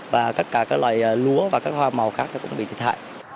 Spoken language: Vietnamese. và tất cả các loài lúa và các hoa màu khác cũng bị thiệt hại